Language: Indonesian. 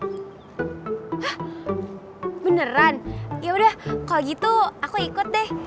hah beneran yaudah kalau gitu aku ikut deh